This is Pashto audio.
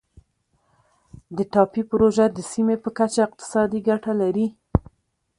د ټاپي پروژه د سیمې په کچه اقتصادي ګټه لري.